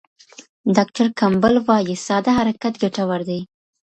ډاکټر کمپبل وايي ساده حرکت ګټور دی.